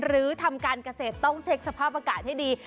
หรือทำการเกษตรต้องเช็คสภาพอากาศให้ดี